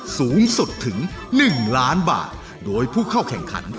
สูงสุดถึง๑ล้านบาทโดยผู้เข้าแข่งขัน